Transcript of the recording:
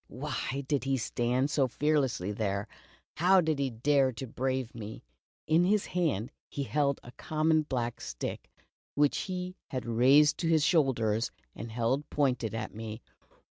Why did he stand so fearlessly there ? How did he dare to brave me ? In his hand he held a common black stick, which he had raised to his shoulder and held pointed at me.